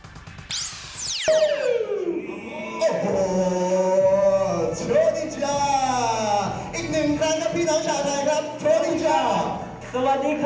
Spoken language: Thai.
อีกหนึ่งครั้งครับพี่น้องชาวใดครับสวัสดีจ้า